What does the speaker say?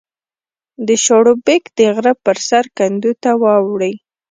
د شاړوبېک د غره په سر کنډو ته واوړې